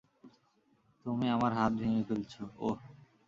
তুমি আমার হাত ভেঙে ফেলছো, ওহ!